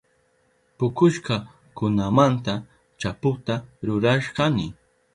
Pukushka kunamanta chaputa rurashkani.